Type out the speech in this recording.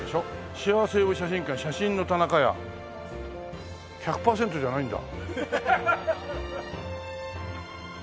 「しあわせを呼ぶ写真館写真のたなかや」１００パーセントじゃないんだ。